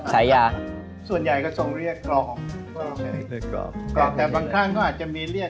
ใช้ยาส่วนใหญ่ก็ทรงเรียกกรอบกรอบเป็นบางข้างก็อาจจะมีเรียก